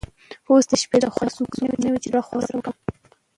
اوس د شپې له خوا څوک نه وي چي د زړه خواله ورسره وکړم.